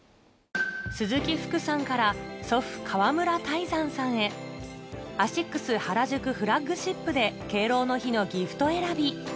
鈴木福さんから祖父川村泰山さんへアシックス原宿フラッグシップで敬老の日のギフト選び